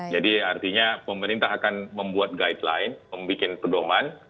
jadi artinya pemerintah akan membuat guideline membuat perdomaan